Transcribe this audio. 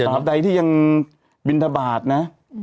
ท่านใดที่ยังบินทบาทนะ